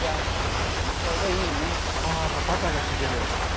やっぱバターが効いてる？